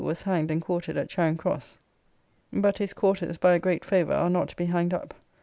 ] was hanged and quartered at Charing Cross; but his quarters, by a great favour, are not to be hanged up.